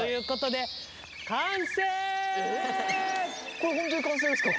これ本当に完成ですか？